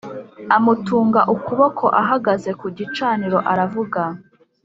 Amutunga ukuboko ahagaze ku gicaniro aravuga